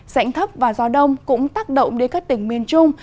rãnh thấp và gió đông cũng tác động đến các tỉnh miền trung